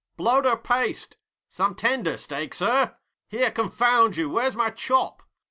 'Bloater paste!' 'Some tender steak, sir?' 'Here, confound you, where's my chop?'